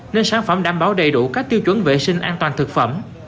nên sản phẩm đảm bảo đầy đủ các tiêu chuẩn vệ sinh an toàn thực phẩm